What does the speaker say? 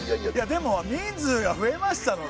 でも人数が増えましたので。